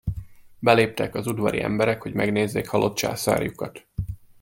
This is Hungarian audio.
Beléptek az udvari emberek, hogy megnézzék halott császárjukat.